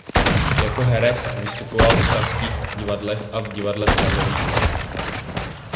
Jako herec vystupoval v pražských divadlech a v divadle v Karlových Varech.